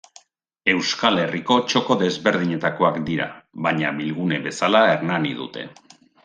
Euskal Herriko txoko desberdinetakoak dira, baina bilgune bezala Hernani dute.